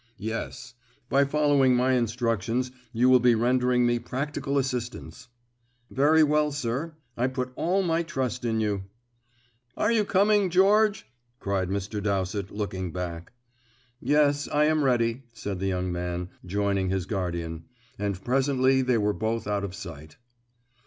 "Yes. By following my instructions you will be rendering me practical assistance." "Very well, sir. I put all my trust in you." "Are you coming, George?" cried Mr. Dowsett, looking back. "Yes, I am ready," said the young man, joining his guardian; and presently they were both out of sight.